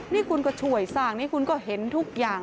นี่คุณก็ช่วยสร้างนี่คุณก็เห็นทุกอย่าง